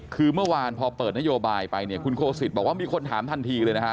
คือเมื่อวานพอเปิดนโยบายไปเนี่ยคุณโคสิตบอกว่ามีคนถามทันทีเลยนะฮะ